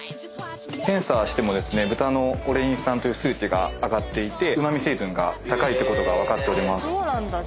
検査してもですね豚のオレイン酸という数値が上がっていてうま味成分が高いってことが分かっております。